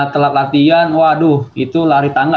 telat latihan waduh itu lari tangga